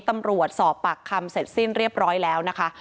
ตำรวจสอบปากคำเสร็จสิ้นเรียบร้อยแล้วนะคะ